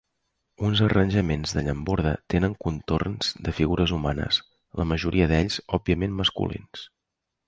Uns arranjaments de llamborda tenen contorns de figures humanes, la majoria d'ells òbviament masculins.